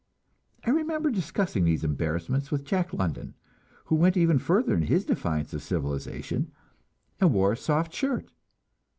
I remember discussing these embarrassments with Jack London, who went even further in his defiance of civilization, and wore a soft shirt.